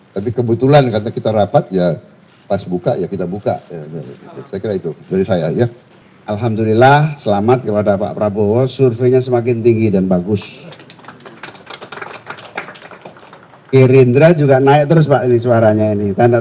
tapi kebetulan karena kita rapat ya pas buka ya kita buka saya kira itu dari saya ya